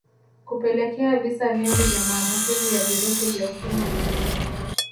Kupelekea visa vingi vya maambukizi ya virusi vya Ukimwi